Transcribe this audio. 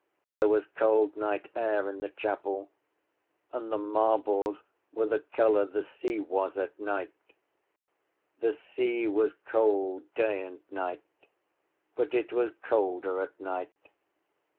There was cold night air in the chapel and the marbles were the colour the sea was at night. The sea was cold day and night: but it was colder at night.